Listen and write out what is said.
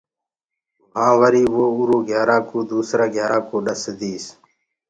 وهآنٚ وو وري اُرو گھيِآرآ ڪوُ دوسرآ ڪو ڏس ديس۔